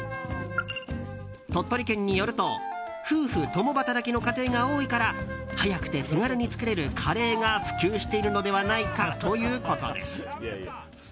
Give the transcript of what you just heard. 鳥取県によると夫婦共働きの家庭が多いから早くて手軽に作られるカレーが普及しているのではないかということです。